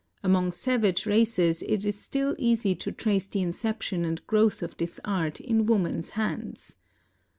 Among savage races it is still easy to trace the inception and growth of this art in woman's hands.